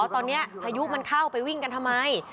ตอนนี้พายุมันเข้าไปวิ่งกันทำไม